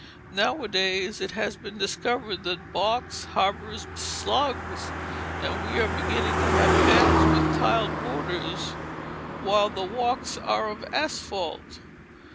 Nowadays, it has been discovered that box harbours slugs, and we are beginning to have beds with tiled borders, while the walks are of asphalt.